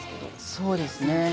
そうですね。